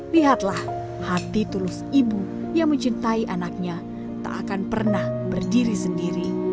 lihatlah hati tulus ibu yang mencintai anaknya tak akan pernah berdiri sendiri